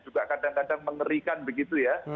juga kadang kadang mengerikan begitu ya